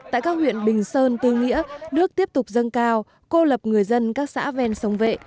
tại các huyện bình sơn tư nghĩa nước tiếp tục dâng cao cô lập người dân các xã ven sông vệ